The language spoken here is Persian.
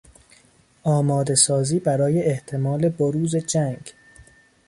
آماده سازی برای احتمال بروز جنگ